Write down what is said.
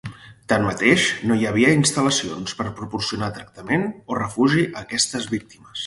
Tanmateix, no hi havia instal·lacions per proporcionar tractament o refugi a aquestes víctimes.